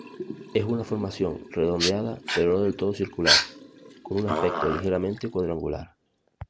Es una formación redondeada pero no del todo circular, con un aspecto ligeramente cuadrangular.